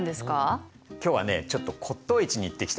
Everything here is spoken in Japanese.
今日はねちょっと骨とう市に行ってきた。